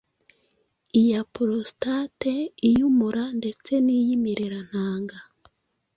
iya prostate, iy’umura, ndetse n’iyi mirerantanga.